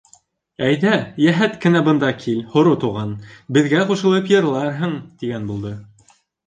Әйҙә, йәһәт кенә бында кил, Һоро Туған, беҙгә ҡушылып йырларһың, — тигән булды.